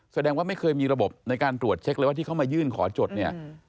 แสดงว่าไม่เคยมีระบบในการตรวจเช็คเลยว่าที่เขามายื่นขอจดเนี่ย